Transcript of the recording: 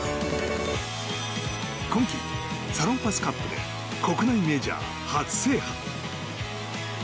今季、サロンパスカップで国内メジャー初制覇。